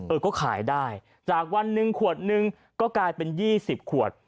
เออก็ขายได้จากวันหนึ่งขวดนึงก็กลายเป็น๒๐ขวด